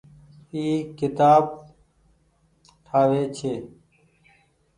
اي ڪيتآب ٺآوي ڇي۔